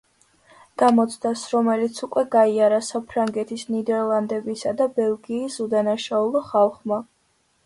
გამოცდას, რომელიც უკვე გაიარა საფრანგეთის, ნიდერლანდებისა და ბელგიის უდანაშაულო ხალხმა.